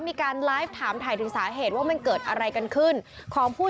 มีการไลฟ์ถามถ่ายถึงสาเหตุว่ามันเกิดอะไรกันขึ้นของผู้